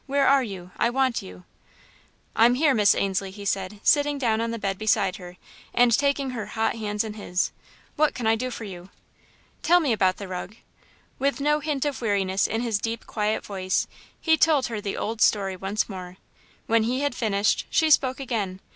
Where are you? I want you!" "I'm here, Miss Ainslie," he said, sitting down on the bed beside her and taking her hot hands in his. "What can I do for you?" "Tell me about the rug." With no hint of weariness in his deep, quiet voice, he told her the old story once more. When he had finished, she spoke again.